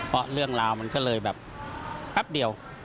เพราะเรื่องราวมันก็เลยแบบแป๊บเดียว